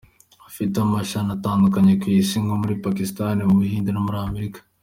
Ifite amashami atandukanye ku isi nko muri Pakisitani, mu Buhinde no muri Afurika.